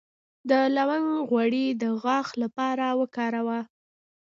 د لونګ غوړي د غاښ لپاره وکاروئ